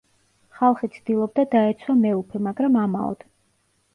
ხალხი ცდილობდა, დაეცვა მეუფე, მაგრამ ამაოდ.